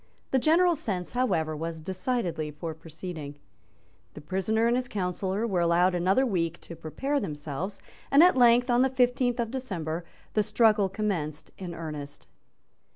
The general sense, however, was decidedly for proceeding. The prisoner and his counsel were allowed another week to prepare themselves; and, at length, on the fifteenth of December, the struggle commenced in earnest.